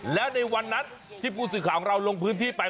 และในวันนั้นที่ผู้ต่างชาติของเราลงพื้นที่ไป